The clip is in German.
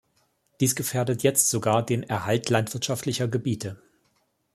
Dies gefährdet jetzt sogar den Erhalt landwirtschaftlicher Gebiete.